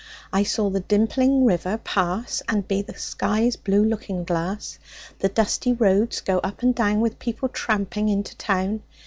I saw the dimpling river pass And be the sky's blue looking glass; The dusty roads go up and down With people tramping in to town.